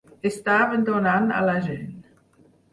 Estaven donant a la gent